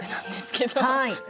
はい！